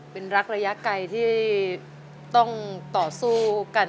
เป็นรักระยะไกลที่ต้องต่อสู้กัน